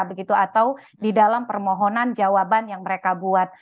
begitu atau di dalam permohonan jawaban yang mereka buat